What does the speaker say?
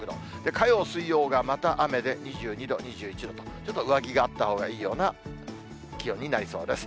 火曜、水曜がまた雨で、２２度、２１度と、ちょっと上着があったほうがいいような気温になりそうです。